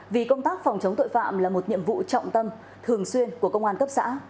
vì công tác phòng chống tội phạm là một nhiệm vụ trọng tâm thường xuyên của công an cấp xã